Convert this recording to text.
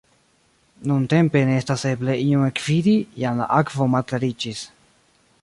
Nuntempe ne estas eble ion ekvidi, jam la akvo malklariĝis.